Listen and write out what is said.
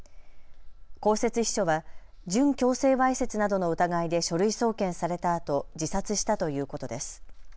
公設秘書は準強制わいせつなどの疑いで書類送検されたあと自殺したということです。